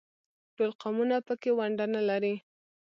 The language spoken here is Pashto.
ټول قومونه په کې ونډه نه لري.